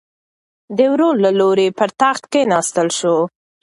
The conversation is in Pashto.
د ورور له لوري پر تخت کېناستل شو.